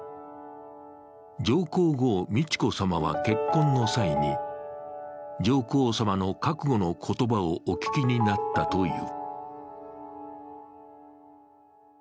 上皇后・美智子さまは結婚の際に上皇さまの覚悟の言葉をお聞きになったという。